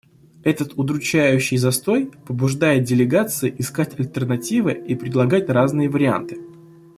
Этот удручающий застой побуждает делегации искать альтернативы и предлагать разные варианты.